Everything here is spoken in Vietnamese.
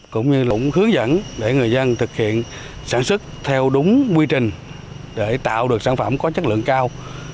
cũng như lũng hướng dẫn để người dân thực hiện sản xuất theo đúng quy trình để tạo được sản phẩm có chất lượng cao